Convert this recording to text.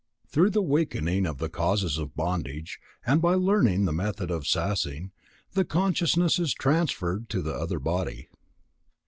Through the weakening of the causes of bondage, and by learning the method of sassing, the consciousness is transferred to the other body.